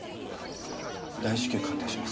大至急鑑定します。